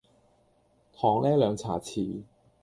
糖呢兩茶匙